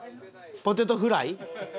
ポテトフライ？